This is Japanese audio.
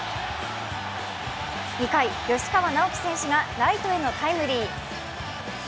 ２回、吉川尚輝選手がライトへのタイムリー。